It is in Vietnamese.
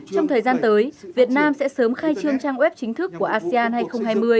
trong thời gian tới việt nam sẽ sớm khai trương trang web chính thức của asean hai nghìn hai mươi